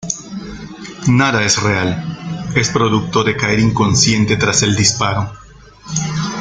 Nada es real, es producto de caer inconsciente tras el disparo.